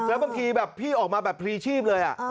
แล้วบางทีแบบพี่ออกมาแบบพรีชีพเลย